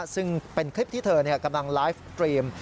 ซึ่งเป็นคลิปที่เธอกำลังไลฟ์สตรีม